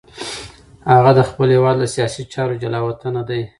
هغه د خپل هېواد له سیاسي چارو جلاوطن دی.